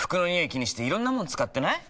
気にしていろんなもの使ってない？